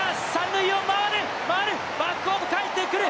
バックホーム、返ってくる！